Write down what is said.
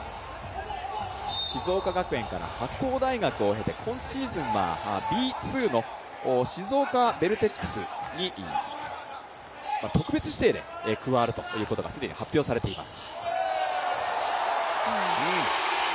静岡学園から今シーズンはＢ２の静岡ベルテックスに特別指定で加わるということが既に発表されています。